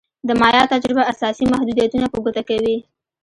د مایا تجربه اساسي محدودیتونه په ګوته کوي.